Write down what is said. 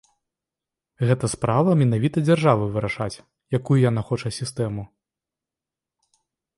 Гэта справа менавіта дзяржавы вырашаць, якую яна хоча сістэму.